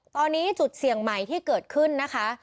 ตอนนี้จุดเสี่ยงใหม่ที่เกิดขึ้นนะคะ